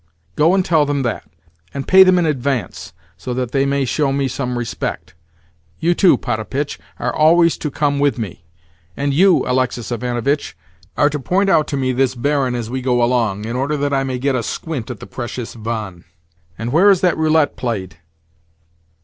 Go and tell them that, and pay them in advance, so that they may show me some respect. You too, Potapitch, are always to come with me, and you, Alexis Ivanovitch, are to point out to me this Baron as we go along, in order that I may get a squint at the precious 'Von.' And where is that roulette played?"